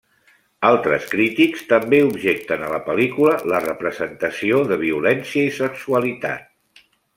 Altres crítics també objecten a la pel·lícula la representació de violència i sexualitat.